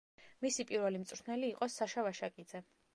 მისი პირველი მწვრთნელი იყო საშა ვაშაკიძე.